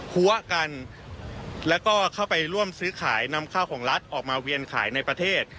หัวกันแล้วก็เข้าไปร่วมซื้อขายนำข้าวของรัฐออกมาเวียนขายในประเทศ